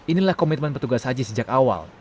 inilah komitmen petugas haji sejak awal